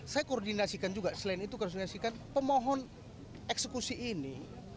saya koordinasikan juga selain itu koordinasikan pemohon eksekusi ini